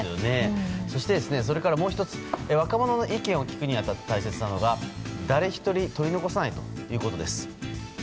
そして、それからもう１つ若者の意見を聞くに当たって大切なのが誰１人取り残さないということです。